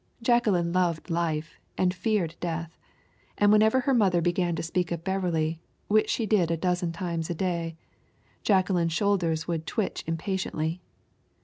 Jacqueline loved life and feared death; and whenever her mother began to speak of Beverley, which she did a dozen times a day, Jacqueline's shoulders would twitch impatiently.